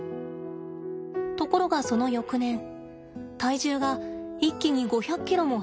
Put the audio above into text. ところがその翌年体重が一気に５００ｋｇも減ってしまいました。